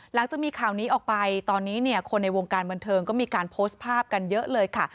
หลังจากมีข่าวนี้ออกไปตอนนี้เนี่ยคนในวงการบันเทิงก็มีการโพสต์ภาพกันเยอะเลยค่ะ